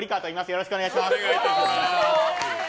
よろしくお願いします。